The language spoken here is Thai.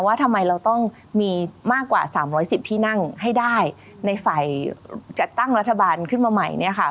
ว่าทำไมเราต้องมีมากกว่า๓๑๐ที่นั่งให้ได้ในฝ่ายจัดตั้งรัฐบาลขึ้นมาใหม่เนี่ยค่ะ